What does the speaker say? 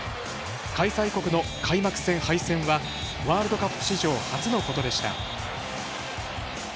開催国の開幕戦敗戦はワールドカップ史上初のことでした。